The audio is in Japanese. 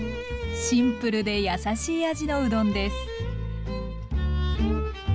シンプルでやさしい味のうどんです。